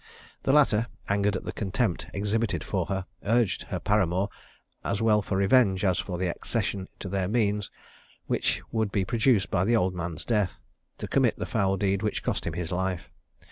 The latter, angered at the contempt exhibited for her, urged her paramour, as well for revenge as for the accession to their means, which would be produced by the old man's death, to commit the foul deed which cost him his life.